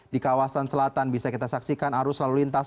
di kawasan selatan bisa kita saksikan arus lalu lintas